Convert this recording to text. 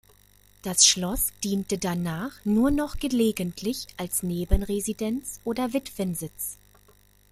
Das Schloss diente danach nur noch gelegentlich als Nebenresidenz oder Witwensitz.